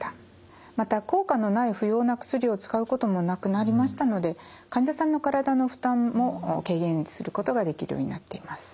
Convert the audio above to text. また効果のない不要な薬を使うこともなくなりましたので患者さんの体の負担も軽減することができるようになっています。